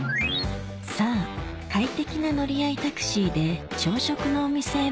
さぁ快適な乗り合いタクシーで朝食のお店へ向かいます